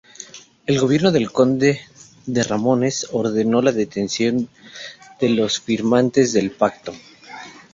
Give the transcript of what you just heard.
El gobierno del conde de Romanones ordenó la detención de los firmantes del Pacto.